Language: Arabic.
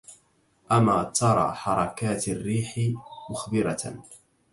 أما ترى حركات الريح مخبرة